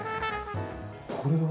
これは？